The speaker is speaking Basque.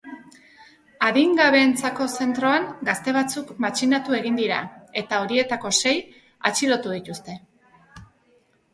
Adingabeentzako zentroan gazte batzuk matxinatu egin dira eta horietako sei atxilotu dituzte.